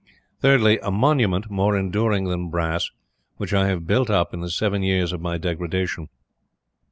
Thirdly, a monument, more enduring than brass, which I have built up in the seven years of my degradation."